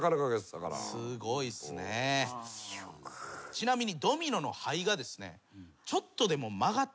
ちなみに。